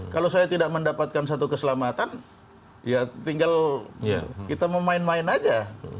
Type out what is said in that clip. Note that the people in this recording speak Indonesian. kalau saya tidak mendapatkan satu keselamatan ya tinggal kita mau main main aja